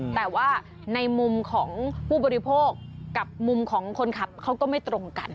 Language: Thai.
แต่ว่าในมุมของผู้บริโภคกับมุมของคนขับเขาก็ไม่ตรงกัน